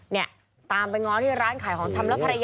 ก็ตามไปง้อที่ร้านขายอาหาร